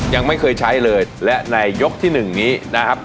ยังไม่เคยใช้เลยและในยกที่๑นี้นะครับ